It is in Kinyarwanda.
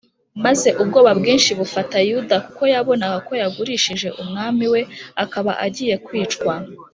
maze ubwoba bwinshi bufata yuda kuko yabonaga ko yagurishije umwami we akaba agiye kwicwa